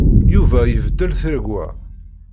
Yuba ibeddel tiregwa.